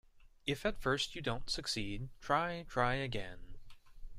If at first you don't succeed, try, try again.